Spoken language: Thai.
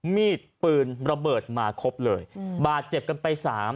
มีดปืนระเบิดมาครบเลยบาดเจ็บกันไปสาม